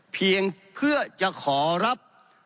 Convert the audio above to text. เพียงเพื่อจะขอรับ